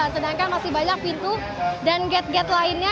sedangkan masih banyak pintu dan gate gate lainnya